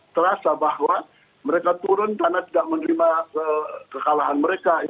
terasa bahwa mereka turun karena tidak menerima kekalahan mereka